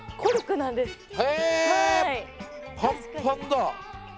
へえパンパンだ。